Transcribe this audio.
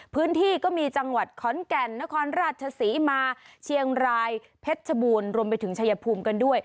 พื้นที่ก็มีจังหวัดขอนแก่นนครราชศรีมาเชียงรายเพชรชบูรณ์รวมไปถึงชายภูมิกันด้วย